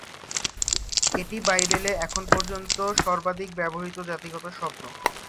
এটি বাইবেলে এখন পর্যন্ত সর্বাধিক ব্যবহৃত জাতিগত শব্দ।